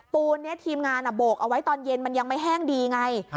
ปูนนี้ทีมงานโบกเอาไว้ตอนเย็นมันยังไม่แห้งดีไง